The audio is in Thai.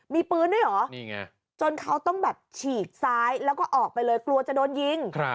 มีปืนด้วยเหรอนี่ไงจนเขาต้องแบบฉีกซ้ายแล้วก็ออกไปเลยกลัวจะโดนยิง